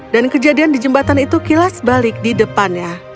dan kejadian di jembatan itu kilas balik di depannya